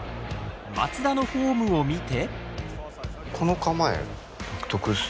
松田のフォームを見て。